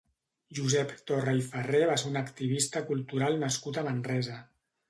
Josep Torra i Ferrer va ser un activista cultural nascut a Manresa.